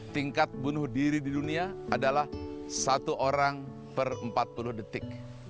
tingkat bunuh diri di dunia adalah satu orang per empat puluh detik